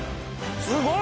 すごい！